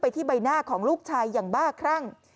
ที่ใบหน้าของลูกชายอย่างบ้าครั่ง